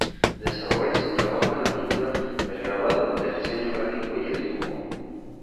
Desarrolla su trabajo en la pintura, el grabado, el diseño gráfico y el dibujo.